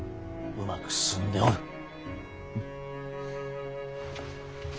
うまく進んでおる。